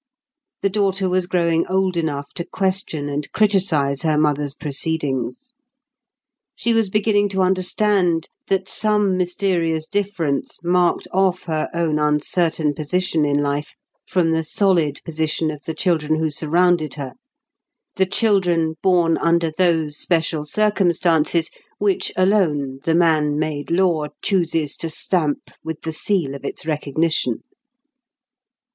The daughter was growing old enough to question and criticise her mother's proceedings; she was beginning to understand that some mysterious difference marked off her own uncertain position in life from the solid position of the children who surrounded her—the children born under those special circumstances which alone the man made law chooses to stamp with the seal of its recognition.